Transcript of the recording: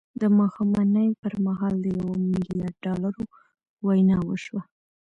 د ماښامنۍ پر مهال د يوه ميليارد ډالرو وينا وشوه.